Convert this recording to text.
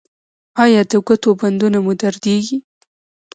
ایا د ګوتو بندونه مو دردیږي؟